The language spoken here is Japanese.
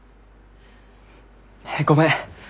ごめん。